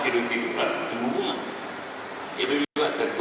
terikris atau atau